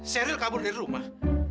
sheryl kabur dari rumah